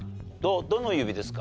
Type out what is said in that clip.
どの指ですか？